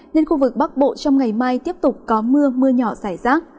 nên khu vực bắc bộ trong ngày mai tiếp tục có mưa mưa nhỏ rải rác